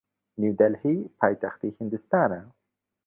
نیودەلهی پایتەختی هیندستانە.